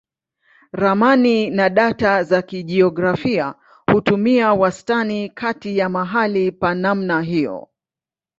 Ramani na data za kijiografia hutumia wastani kati ya mahali pa namna hiyo.